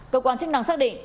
cơ quan chức năng xác định